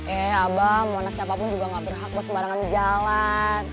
eh abang mau anak siapapun juga gak berhak buat sembarangan di jalan